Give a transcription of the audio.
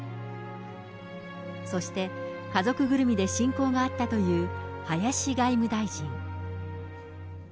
そして、家族ぐるみで親交があったという林外務大臣。